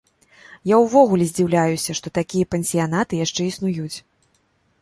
Я ўвогуле здзіўляюся, што такія пансіянаты яшчэ існуюць.